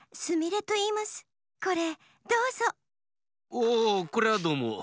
おおこれはどうも。